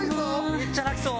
めっちゃ泣きそう。